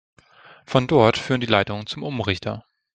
Von dort führen die Leitungen zum Umrichter.